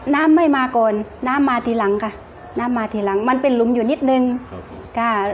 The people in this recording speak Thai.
น้ำไม่มาก่อนน้ำมาทีหลังค่ะน้ำมาทีหลังมันเป็นหลุมอยู่นิดนึงค่ะ